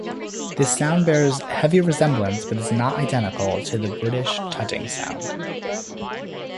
This sound bears heavy resemblance, but is not identical, to the British tutting sound.